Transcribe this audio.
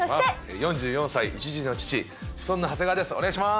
４４歳一児の父シソンヌ長谷川です。